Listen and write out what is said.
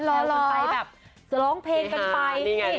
เล่านกลับไปแบบจะร้องเพลงกันไป